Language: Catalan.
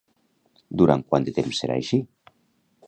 Durant quant de temps serà així?